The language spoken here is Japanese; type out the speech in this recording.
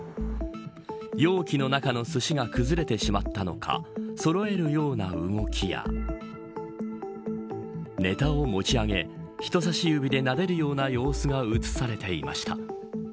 容器の中のすしが崩れてしまったのかそろえるような動きやネタを持ち上げ人差し指でなでるような様子が映されていました。